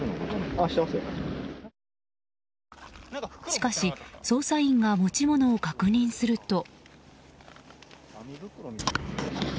しかし、捜査員が持ち物を確認すると。